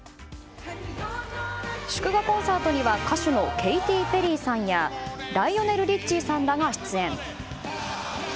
祝賀コンサートには歌手のケイティ・ペリーさんやライオネル・リッチーさんらが出演。